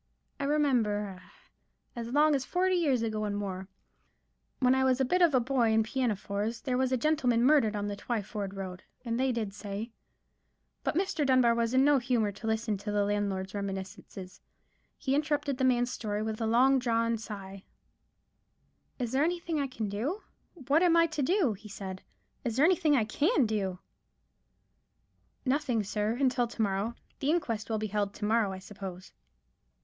I remember—ah, as long ago as forty years and more—when I was a bit of a boy in pinafores, there was a gentleman murdered on the Twyford road, and they did say——" But Mr. Dunbar was in no humour to listen to the landlord's reminiscences. He interrupted the man's story with a long drawn sigh,— "Is there anything I can do? What am I to do?" he said. "Is there anything I can do?" "Nothing, sir, until to morrow. The inquest will be held to morrow, I suppose."